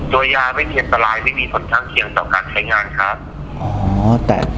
โดยยาไม่มีอันตรายไม่มีผลข้างเคียงต่อการใช้งานครับอ๋อแต่